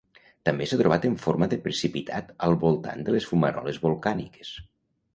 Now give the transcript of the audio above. També s'ha trobat en forma de precipitat al voltant de les fumaroles volcàniques.